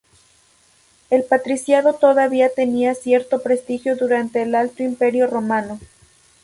El patriciado todavía tenía cierto prestigio durante el Alto Imperio romano.